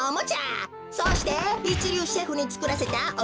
そしていちりゅうシェフにつくらせたおべんとう。